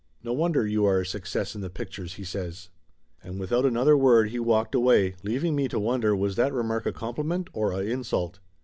"No wonder you are a success in the pictures !" he says. And without another word he walked away, leaving me to wonder was that remark a compliment or a in sult?